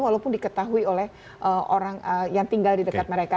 walaupun diketahui oleh orang yang tinggal di dekat mereka